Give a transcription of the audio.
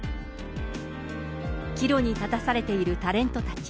岐路に立たされているタレントたち。